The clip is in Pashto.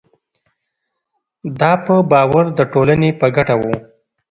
دا په باور د ټولنې په ګټه وو.